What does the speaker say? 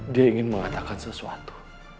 dia ingin mengatakan sesuatu